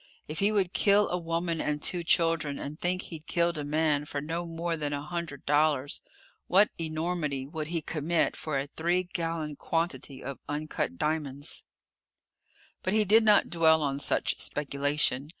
If he would kill a woman and two children and think he'd killed a man for no more than a hundred dollars, what enormity would he commit for a three gallon quantity of uncut diamonds? But he did not dwell on such speculation.